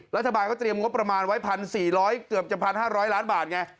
รัฐบาลก็เตรียมงบประมาณไว้๑๔๐๐เกือบจะ๑๕๐๐ล้านบาทไง